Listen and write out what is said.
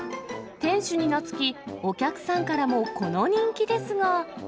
店主に懐き、お客さんからもこの人気ですが。